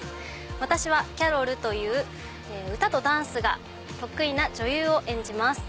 私はキャロルという歌とダンスが得意な女優を演じます。